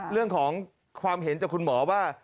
เรื่องของความเห็นจากคุณหมอว่า